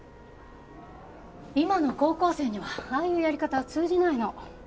今の高校生にはああいうやり方は通じないの。